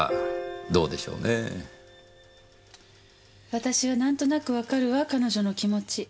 私は何となくわかるわ彼女の気持ち。